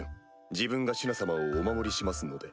自分がシュナ様をお守りしますので。